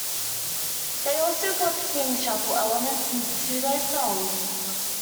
They also put swing shuffle elements into their songs.